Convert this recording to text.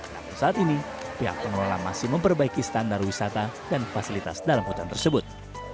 namun saat ini pihak pengelola masih memperbaiki standar wisata dan fasilitas dalam hutan tersebut